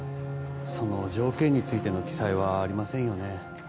その条件についての記載はありませんよね